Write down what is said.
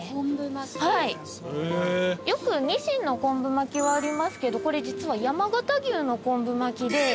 よくニシンの昆布巻はありますけどこれ実は山形牛の昆布巻で。